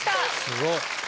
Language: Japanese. すごい。